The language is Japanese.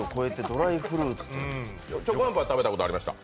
チョコあんぱんは食べたことがありました。